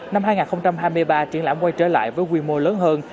năm hai nghìn hai mươi ba triển lãm quay trở lại với quy mô lớn hơn